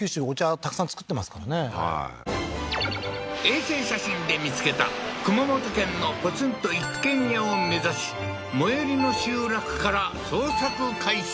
たくさん作ってますからね衛星写真で見つけた熊本県のポツンと一軒家を目指し最寄りの集落から捜索開始